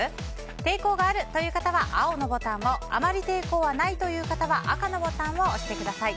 抵抗があるという方は青のボタンをあまり抵抗ないという方は赤のボタンを押してください。